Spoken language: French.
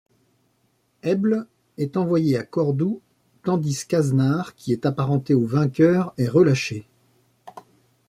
Eble est envoyé à Cordoue, tandis qu'Aznar, qui est apparenté au vainqueur, est relâché.